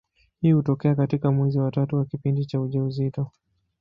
Hii hutokea katika mwezi wa tatu wa kipindi cha ujauzito.